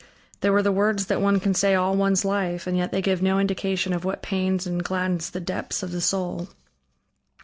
They were the words that one can say all one's life, and yet they give no indication of what pains and gladdens the depths of the soul.